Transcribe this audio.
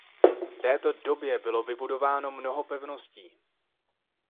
V této době bylo vybudováno mnoho pevností.